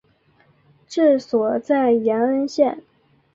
治所在延恩县。